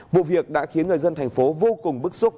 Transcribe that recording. vụ việc đã khiến người dân thành phố vô cùng bức xúc